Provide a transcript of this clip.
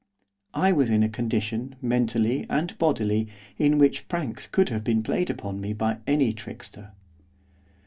I was in a condition, mentally and bodily, in which pranks could have been played upon me by any trickster.